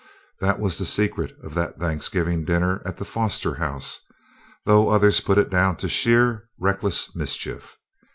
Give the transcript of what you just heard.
That was the secret of that Thanksgiving dinner at the Foster house, though others put it down to sheer, reckless mischief.